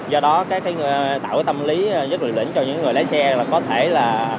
do đó cái tạo tâm lý rất lực lĩnh cho những người lấy xe là có thể là